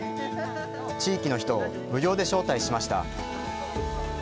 地域の人を無料で招待しました。